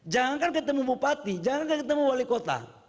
jangan kan ketemu bupati jangan kan ketemu wali kota